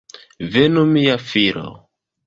Venu mia filo!